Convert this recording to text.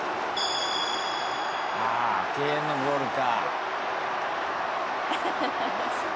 「ああー敬遠のボールか」